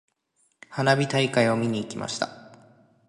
花火大会を見に行きました。